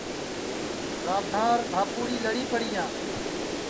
رادھانٚر دھاپُوڑی لڑیپڑِیاں